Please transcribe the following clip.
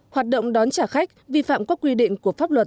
hoạt động đón trả khách vi phạm các quy định của pháp luật